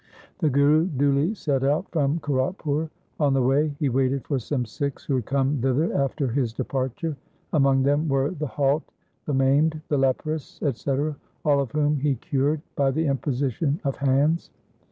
The Guru duly set out from Kiratpur. On the way he waited for some Sikhs who had come thither after his departure. Among them were the halt, the maimed, the leprous, &c, all of whom he cured by the imposition of hands.